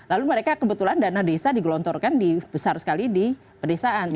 lalu mereka kebetulan dana desa digelontorkan besar sekali di pedesaan